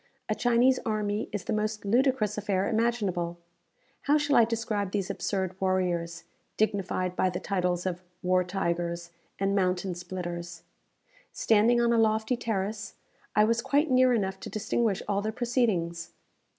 A Chinese army is the most ludicrous affair imaginable. How shall I describe these absurd warriors, dignified by the titles of "War tigers," and "Mountain splitters?" Standing on a lofty terrace, I was quite near enough to distinguish all their proceedings.